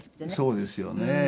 そうですよね。